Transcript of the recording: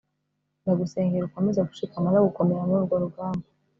ndagusengera ukomeze gushikama no gukomera mururwo rugamba